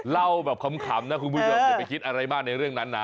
เล่าแบบขำนะคุณผู้ชมอย่าไปคิดอะไรมากในเรื่องนั้นนะ